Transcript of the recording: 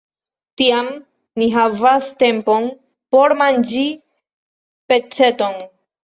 Tiam ni havas tempon por manĝi peceton.